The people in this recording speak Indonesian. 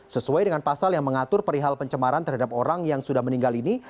sesuai dengan pasal yang mengatur perihal pencemaran terhadap orang yang sudah meninggal ini